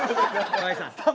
河合さん。